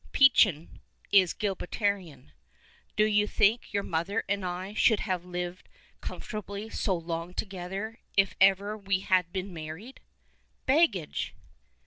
Pcachum is Gilbertian, " Do you think your mother and I should have liv'd com fortably so long together if ever we had been married ? Baggage